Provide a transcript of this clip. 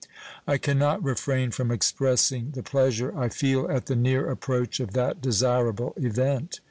I can not refrain from expressing the pleasure I feel at the near approach of that desirable event.